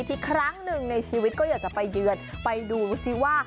อีกครั้งหนึ่งในชีวิตก็อยากจะไปเยือนไปดูซิว่า